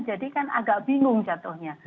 jadi kan agak bingung jatuhnya